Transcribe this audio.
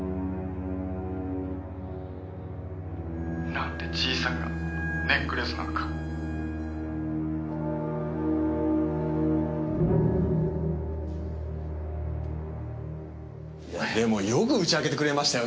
「なんでじいさんがネックレスなんか」でもよく打ち明けてくれましたよね。